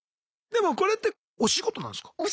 でもこれってお仕事なんすか？